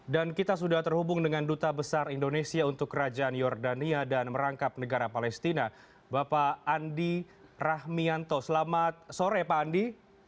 dan kita sudah terhubung dengan duta besar indonesia untuk kerajaan jordania dan merangkap negara palestina bapak andi rahmianto selamat sore pak andi